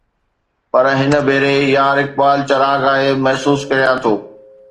پر هن ڀيري يار اقبال چراغ آهي، محسوس ڪريان ٿو